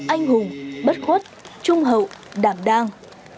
anh hùng bất khuất trung hậu đảng đàng